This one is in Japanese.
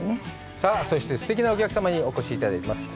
さあ、そして、すてきなお客様にお越しいただいています。